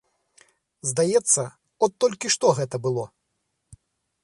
Здаецца, от толькі што гэта было.